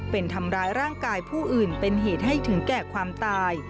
เป็นทำร้ายร่างกายผู้อื่นเป็นเหตุให้ถึงแก่ความตาย